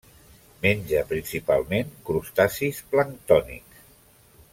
Menja principalment crustacis planctònics.